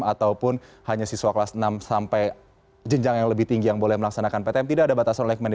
ataupun hanya siswa kelas enam sepuluh yang lebih tinggi yang boleh melaksanakan ptm